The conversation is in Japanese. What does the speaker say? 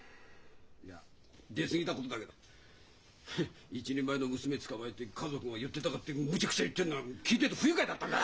いや出過ぎたことだけどヘッ一人前の娘つかまえて家族が寄ってたかってむちゃくちゃ言ってるのは聞いてて不愉快だったんだ。